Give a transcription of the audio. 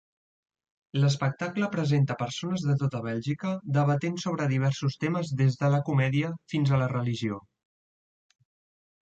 L'espectacle presenta persones de tota Bèlgica debatent sobre diversos temes des de la comèdia fins a la religió.